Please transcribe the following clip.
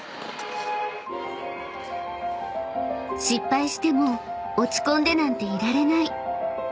［失敗しても落ち込んでなんていられない］